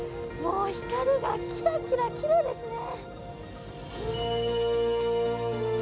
光がキラキラ、きれいですね。